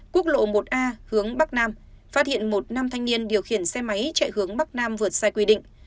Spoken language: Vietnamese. quốc lộ một a hướng bắc nam phát hiện một nam thanh niên điều khiển xe máy chạy hướng bắc nam vượt sai quy định